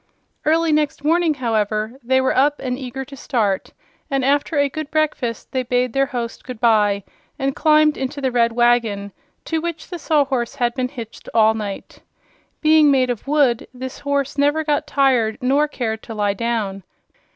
Early next morning, however, they were up and eager to start, and after a good breakfast they bade their host good bye and climbed into the red wagon, to which the Sawhorse had been hitched all night. Being made of wood, this horse never got tired nor cared to lie down.